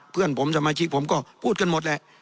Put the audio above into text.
เพื่อนผมสมาชิกผมก็พูดกันหมดแหละ